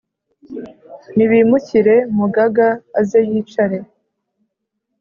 nibimukire mugaga aze yicare